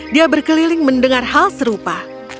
dia berkeliling mendengar hal serupa